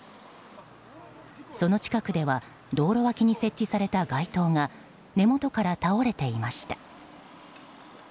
その近くでは道路脇に設置された街灯が根元から倒れていました。